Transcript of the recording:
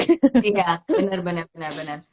iya benar benar benar benar